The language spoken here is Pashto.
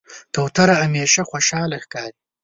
کوتره همیشه خوشحاله ښکاري.